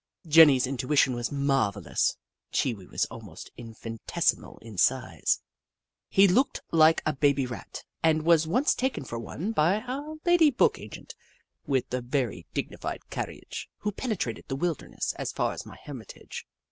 Jenny's intuition was marvellous. Chee Wee was almost infinitesimal in size. Jenny Ragtail 175 He looked like a baby Rat and was once taken for one by a lady book agent, with a very dignified carriage, who penetrated the wilder ness as far as my hermitage.